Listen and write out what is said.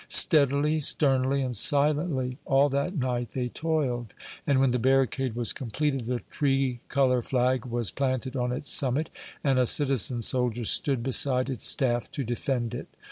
Steadily, sternly and silently, all that night they toiled, and when the barricade was completed the tri color flag was planted on its summit, and a citizen soldier stood beside its staff to defend it.